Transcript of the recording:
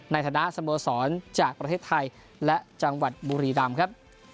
ในฐานะสโมสรจากประเทศไทยและจังหวัดบุรีรำครับ